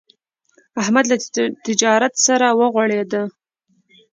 احمد له تجارت سره وغوړېدا.